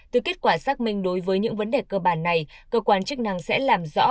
từ kết quả xác minh đối với những vấn đề cơ bản này cơ quan chức năng sẽ làm rõ